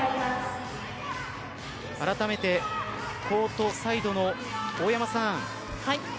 あらためてコートサイドの大山さん